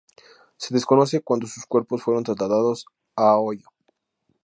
Se desconoce cuándo sus cuerpos fueron trasladados a Ohio.